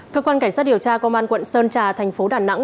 cơ quan cảnh sát điều tra công an quận sơn trà thành phố đà nẵng